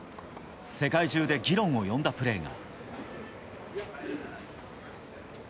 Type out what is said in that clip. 世界中で議論を呼んだプレーが。